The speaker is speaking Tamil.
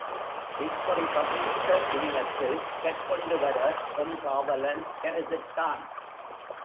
விற்பொறி பதித்த இமயத்தில் கற்கொண்டு வர எம் காவலன் கருதிட்டான்.